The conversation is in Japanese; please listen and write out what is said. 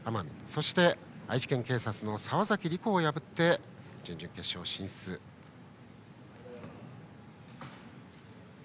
そして、愛知県警察の澤崎莉子を破って準々決勝進出です。